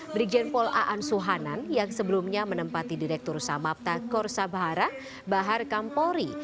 brigjenpol aan suhanan yang sebelumnya menempati direktur samapta korsabhara bahar kampori